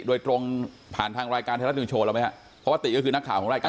โดยตรงผ่านทางรายการไทยรัฐนิวโชว์แล้วไหมฮะเพราะว่าติก็คือนักข่าวของรายการ